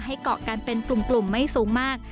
เกาะกันเป็นกลุ่มไม่สูงมาก